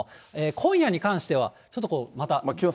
今夜に関しては、ちょっとこうまた。